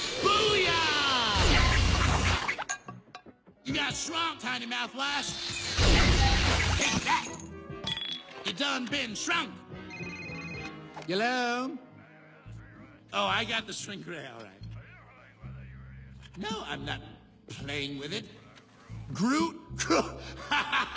アハハハ！